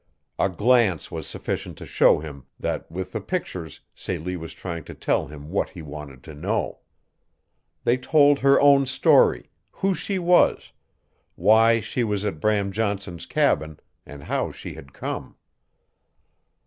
A glance was sufficient to show him that with the pictures Celie was trying to tell him what he wanted to know. They told her own story who she was, why she was at Bram Johnson's cabin, and how she had come.